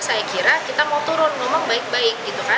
saya kira kita mau turun ngomong baik baik gitu kan